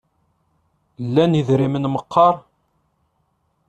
Lan idrimen meqqar?